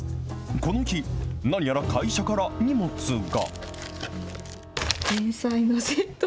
この日、何やら会社から荷物が。